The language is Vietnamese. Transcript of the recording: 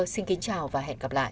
xin kính chào và hẹn gặp lại